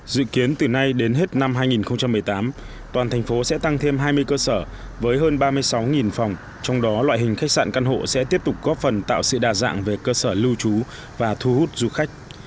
dự kiến từ nay đến hết năm hai nghìn một mươi tám toàn thành phố sẽ tăng thêm hai mươi cơ sở với hơn ba mươi sáu phòng trong đó loại hình khách sạn căn hộ sẽ tiếp tục góp phần tạo sự đa dạng về cơ sở lưu trú và thu hút du khách